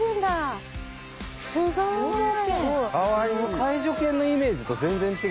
介助犬のイメージと全然違いますね。